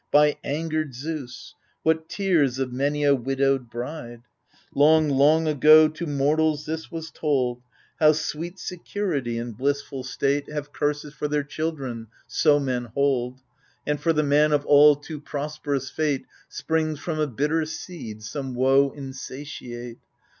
By angered Zeus 1 what tears of many a widowed bride ! Long, long ago to mortals this was told, How sweet security and blissful state 34 AGAMEMNON Have curses for their children — so men hold — And for the man of ail too prosperous fate Springs from a bitter seed some woe insatiate.